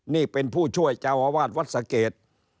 นี่เป็นผู้ช่วยเจ้าอาวาสวัดสะเกด